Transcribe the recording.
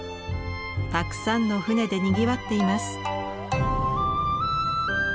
たくさんの舟でにぎわっています。